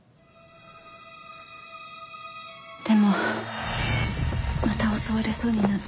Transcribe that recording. でもまた襲われそうになって。